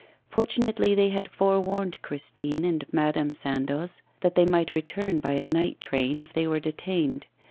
Fortunately, they had forewarned Christine and Madame Sandoz that they might return by a night train if they were detained.